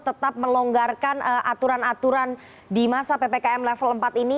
tetap melonggarkan aturan aturan di masa ppkm level empat ini